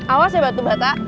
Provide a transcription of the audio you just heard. awas ya batu bata